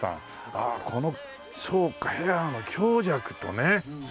ああこのそうかヘアの強弱とねその雰囲気。